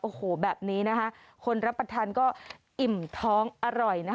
โอ้โหแบบนี้นะคะคนรับประทานก็อิ่มท้องอร่อยนะคะ